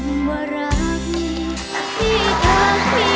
โว้ยอยากที่ถ่ายคำมารีกอร์เผอร์